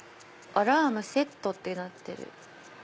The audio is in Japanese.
アラームセットってなってる。